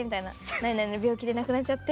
「何々の病気で亡くなっちゃって。